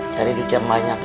cari duit yang banyak ya